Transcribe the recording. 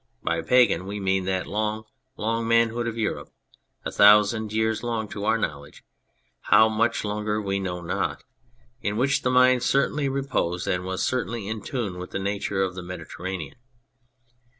By pagan we mean that long, long manhood of Europe (a thousand years long to our knowledge how much longer we know not) in which the mind certainly reposed and was certainly in tune with the nature of the Mediter ranean.